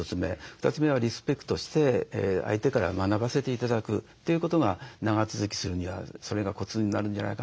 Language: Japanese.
２つ目はリスペクトして相手から学ばせて頂くということが長続きするにはそれがコツになるんじゃないかなと思います。